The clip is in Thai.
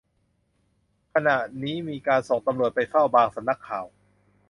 ขณะนี้มีการส่งตำรวจไปเฝ้าบางสำนักข่าว